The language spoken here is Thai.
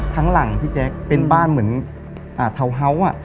ทั้งหลังพี่แจ๊คเป็นบ้านเหมือนเท้าเฮ้าส์